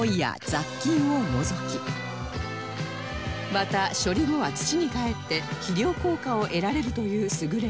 また処理後は土にかえって肥料効果を得られるという優れもの